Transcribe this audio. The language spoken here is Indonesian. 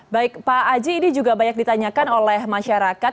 baik pak aji ini juga banyak ditanyakan oleh masyarakat